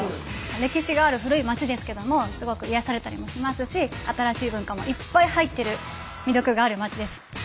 歴史がある古いまちですけどもすごく癒やされたりもしますし新しい文化もいっぱい入ってる魅力があるまちです。